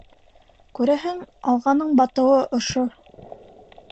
Күрәһең, «Алға»ның батыуы ошо.